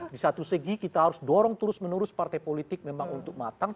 di satu segi kita harus dorong terus menerus partai politik memang untuk matang